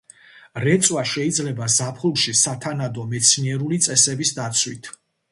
რეწვა შეიძლება ზაფხულში სათანადო მეცნიერული წესების დაცვით.